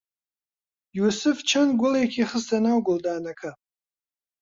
یووسف چەند گوڵێکی خستە ناو گوڵدانەکە.